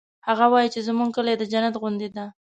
هغه وایي چې زموږ کلی د جنت غوندی ده